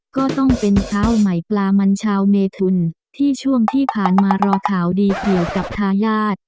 ก็ต้องเป็นข้าวใหม่ปลามันชาวเมทุนที่ช่วงที่ผ่านมารอข่าวดีเกี่ยวกับทายาท